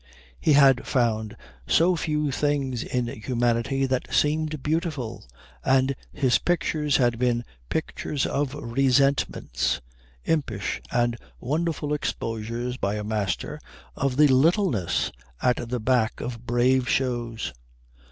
He had found so few things in humanity that seemed beautiful, and his pictures had been pictures of resentments impish and wonderful exposures by a master of the littleness at the back of brave shows.